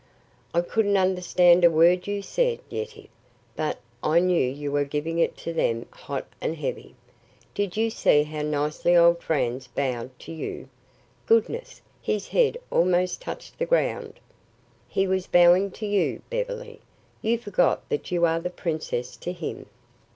"I couldn't understand a word you said, Yetive? but I knew you were giving it to them hot and heavy. Did you see how nicely old Franz bowed to you? Goodness, his head almost touched the ground." "He was bowing to you, Beverly. You forgot that you are the princess to him."